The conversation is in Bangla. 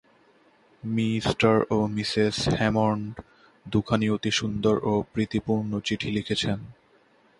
মি ও মিসেস হ্যামণ্ড দুখানি অতি সুন্দর ও প্রীতিপূর্ণ চিঠি লিখেছেন।